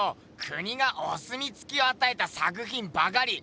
国がおすみつきをあたえた作品ばかり。